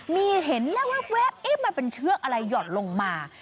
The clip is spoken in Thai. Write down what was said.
มีเห็นแว๊บมันเป็นเชือกอะไรหย่อนลงมา